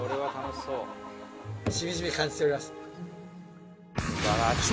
しみじみ感じております。